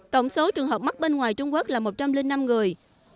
tổng số trường hợp mắc bên ngoài trung quốc là một trăm linh năm người